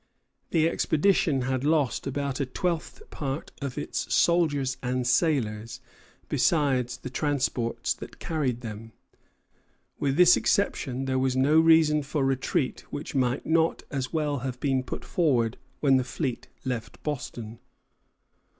The expedition had lost about a twelfth part of its soldiers and sailors, besides the transports that carried them; with this exception there was no reason for retreat which might not as well have been put forward when the fleet left Boston.